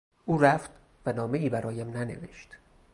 او رفت و نامهای برایم ننوشت.